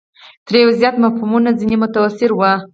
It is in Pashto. تر یوه زیات مفهومونه ځنې متصور وي.